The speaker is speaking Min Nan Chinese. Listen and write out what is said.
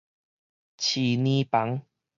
飼奶房